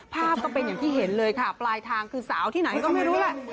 ภาพก็เป็นอย่างที่เห็นเลยค่ะปลายทางคือสาวที่ไหนก็ไม่รู้แหละ